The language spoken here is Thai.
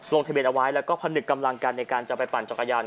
ลงทะเบียนเอาไว้แล้วก็ผนึกกำลังกันในการจะไปปั่นจักรยาน